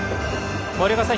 森岡さん